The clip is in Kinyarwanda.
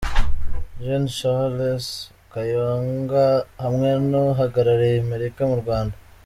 Gen Charles Kayonga hamwe n'uhagarariye Amerika mu Rwanda.